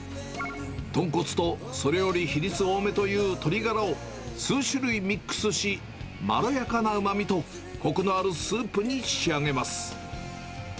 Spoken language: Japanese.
豚骨とそれより比率多めという鶏がらを数種類ミックスし、まろやかなうまみと、こくのあるスープに仕上げます。